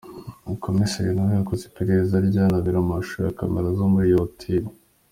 Komiseri na we yakoze iperereza rye, anareba amashusho ya camera zo muri iyo hoteli.